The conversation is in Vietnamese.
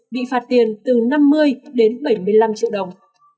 bị phạt tiền từ năm mươi đến bảy mươi năm triệu đồng